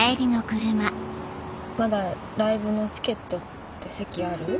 ・まだライブのチケットって席ある？